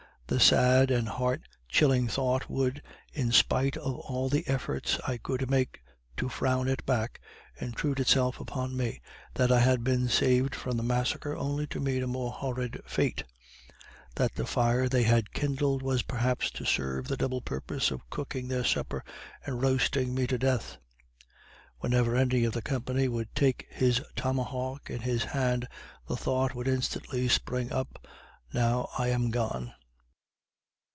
The sad and heart chilling thought would, in spite of all the efforts I could make to frown it back, intrude itself upon me, that I had been saved from the massacre only to meet a more horrid fate that the fire they had kindled was perhaps to serve the double purpose of cooking their supper and roasting me to death. Whenever any of the company would take his tomahawk in his hand, the thought would instantly spring up, now I am gone.